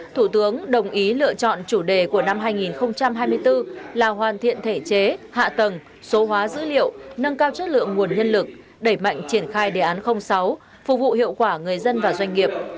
thủ tướng đồng ý lựa chọn chủ đề của năm hai nghìn hai mươi bốn là hoàn thiện thể chế hạ tầng số hóa dữ liệu nâng cao chất lượng nguồn nhân lực đẩy mạnh triển khai đề án sáu phục vụ hiệu quả người dân và doanh nghiệp